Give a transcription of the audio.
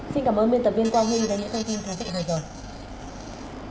xin cảm ơn biên tập viên quang huy và những thông tin khá thích hợp rồi